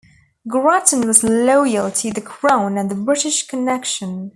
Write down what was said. Grattan was loyal to the Crown and the British connection.